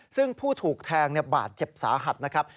ซึ่งผู้ถูกแทงบาดเจ็บสาหัสนะครับ